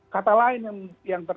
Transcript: kata lain yang